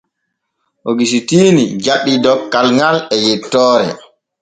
Ogusitiini jaɓii dokkal ŋal e yettoore.